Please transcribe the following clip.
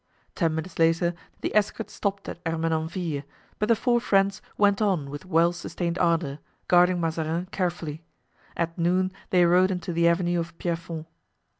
Ten minutes later the escort stopped at Ermenonville, but the four friends went on with well sustained ardor, guarding Mazarin carefully. At noon they rode into the avenue of Pierrefonds.